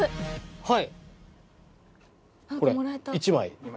はい。